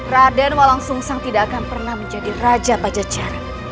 raden walang sungsang tidak akan pernah menjadi raja bajajara